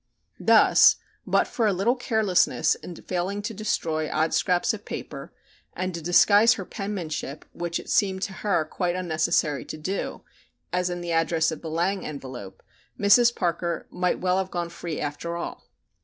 Thus, but for a little carelessness in failing to destroy odd scraps of paper and to disguise her penmanship which it seemed to her quite unnecessary to do, as in the address of the "Lang" envelope, Mrs. Parker might well have gone free after all.